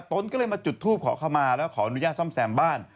ตนก็เลยมาจุดทูปขอเข้ามาแล้วขออนุญาตซ่อมแซมบ้าน